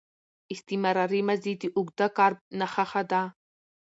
استمراري ماضي د اوږده کار نخښه ده.